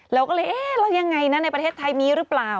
เราก็เลยเอ๊ะแล้วยังไงนะในประเทศไทยมีหรือเปล่า